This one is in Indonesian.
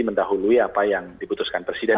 setahulunya apa yang dibutuhkan presiden